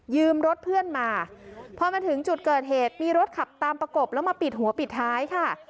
รถเพื่อนมาพอมาถึงจุดเกิดเหตุมีรถขับตามประกบแล้วมาปิดหัวปิดท้ายค่ะ